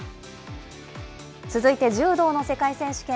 続いて柔道の世界選手権。